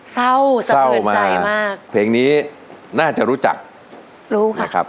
ซาวน์ซาวน์ซาวน์ซาวน์ซาวน์ซาวน์